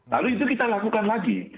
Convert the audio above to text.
lalu itu kita lakukan lagi